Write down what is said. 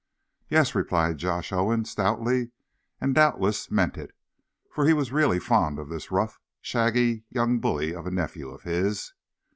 "Yes!" replied Josh Owen, stoutly, and doubtless meant it, for he was really fond of this rough, shaggy young bully of a nephew of his.